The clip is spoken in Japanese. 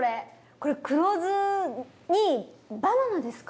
これ黒酢にバナナですか？